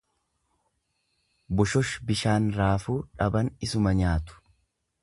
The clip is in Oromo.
Bushush bishaan raafuu dhaban isuma nyaatu.